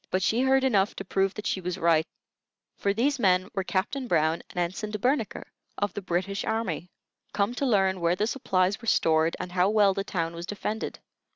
But she heard enough to prove that she was right; for these men were Captain Brown and Ensign De Bernicre, of the British army, come to learn where the supplies were stored and how well the town was defended.